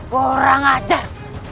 kau orang ajar